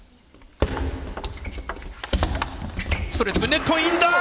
ネットインだ。